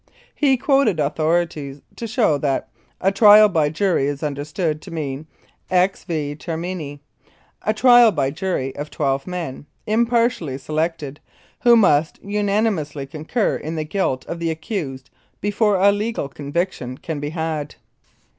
He quoted authorities to show that "a trial by jury is understood to mean ex vi termini, a trial by a jury of twelve men, impartially selected, who must unanimously concur in the guilt of the accused before a legal conviction can be had."